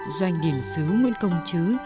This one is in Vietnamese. doanh điển sứ nguyễn công chứ